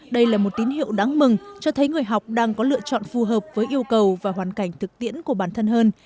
đây là một tín hiệu đáng mừng cho thấy người học đang có lựa chọn phù hợp với yêu cầu và hoàn cảnh thực tiễn của bản thân hơn